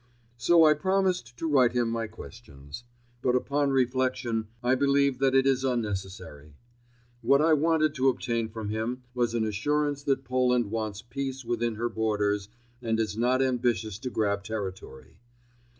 So I promised to write him my questions. But upon reflection I believe that that is unnecessary. What I wanted to obtain from him was an assurance that Poland wants peace within her borders and is not ambitious to grab territory.